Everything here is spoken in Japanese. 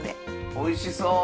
おいしそう！